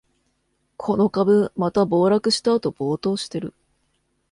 この株、また暴落したあと暴騰してる